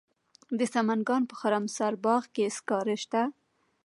د سمنګان په خرم سارباغ کې سکاره شته.